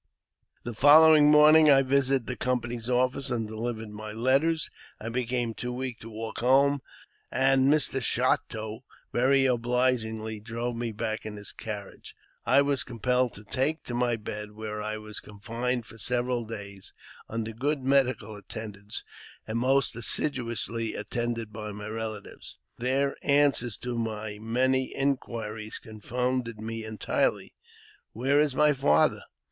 The following morning I visited the company's office and delivered my letters. I became too weak to walk home, and Mr. Chouteau very obligingly drove me back in his carriage I was compelled to take to my bed, where I was confined fo] several days, under good medical attendance, and most as siduously attended by my relatives. Their answers to my many inquiries confounded me entirely " "Where is my father